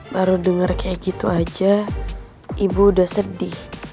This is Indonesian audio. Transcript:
baru dengar kayak gitu aja ibu udah sedih